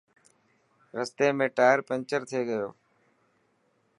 رستي ۾ ٽائر پينچر ٿي گيو.